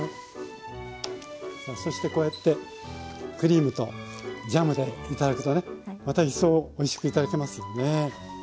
さあそしてこうやってクリームとジャムで頂くとねまた一層おいしく頂けますよね。